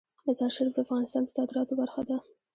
مزارشریف د افغانستان د صادراتو برخه ده.